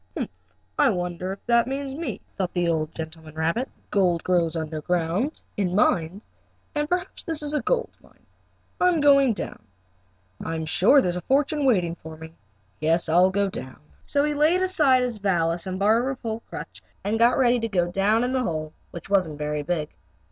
"Humph! I wonder if that means me?" thought the old gentleman rabbit. "Let's see, gold grows under ground, in mines, and perhaps this is a gold mine. I'm going down. I'm sure there is a fortune waiting for me. Yes, I'll go down." So he laid aside his valise and barber pole crutch and got ready to go down in the hole, which wasn't very big.